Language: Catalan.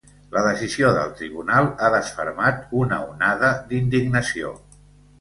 La decisió del tribunal ha desfermat una onada d’indignació.